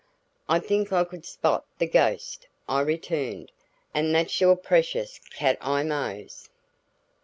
"I think I could spot the ghost," I returned. "And that's your precious Cat Eye Mose."